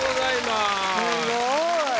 すごい。